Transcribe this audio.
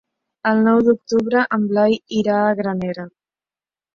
El nou d'octubre en Blai irà a Granera.